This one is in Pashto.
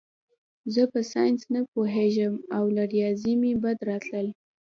زه په ساینس نه پوهېږم او له ریاضي مې بد راتلل